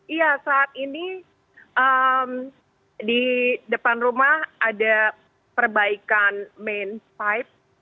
iya saat ini di depan rumah ada perbaikan main vibe